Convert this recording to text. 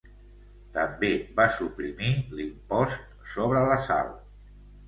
També va suprimir l'impost sobre la sal.